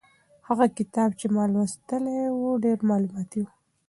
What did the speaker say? هغه کتاب چې ما لوستلی و ډېر مالوماتي و.